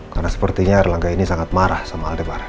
karena sepertinya erlangga ini sangat marah sama aldegra